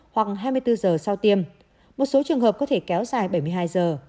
hoặc hai mươi bốn giờ sau tiêm một số trường hợp có thể kéo dài bảy mươi hai giờ